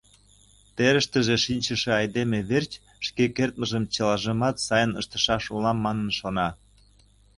Терыштыже шинчыше айдеме верч шке кертмыжым чылажымат сайын ыштышаш улам манын шона.